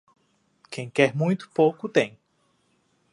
Quem quer muito pouco tem.